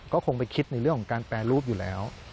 ก็คงไปคิดในเรื่องของการแปรรูปอยู่แล้ว